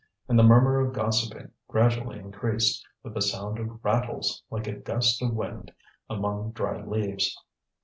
And the murmur of gossiping gradually increased, with a sound of rattles, like a gust of wind among dry leaves.